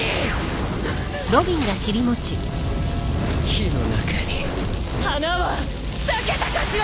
火の中に花は咲けたかしら！